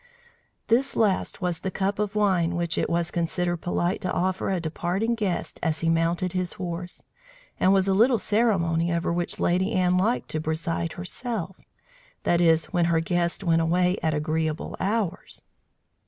(This last was the cup of wine which it was considered polite to offer a departing guest as he mounted his horse, and was a little ceremony over which Lady Anne liked to preside herself; that is, when her guests went away at agreeable hours.)